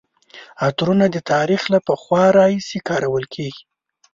عطرونه د تاریخ له پخوا راهیسې کارول کیږي.